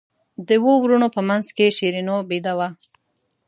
د اوو وروڼو په منځ کې شیرینو بېده وه.